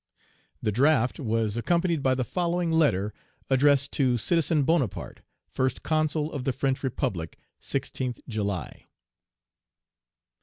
The draft was accompanied by the following letter, addressed to "Citizen Bonaparte, First Consul of the French Republic (16th July)."